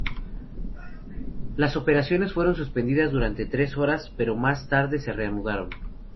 Las operaciones fueron suspendidas durante tres horas, pero más tarde se reanudaron.